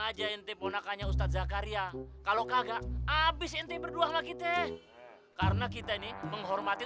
aja intip anakannya ustadz zakaria kalau kagak abis intip berdua makita karena kita ini menghormati